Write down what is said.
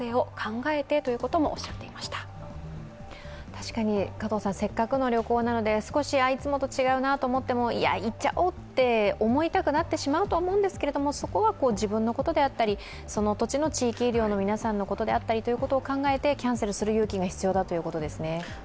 確かにせっかくの旅行なので、少しいつもと違うなと思っても、行っちゃおうと思いたくなってしまうと思うんですが、そこは自分のことであったり地域医療のことを考えて考えて、キャンセルする勇気が必要ということですね。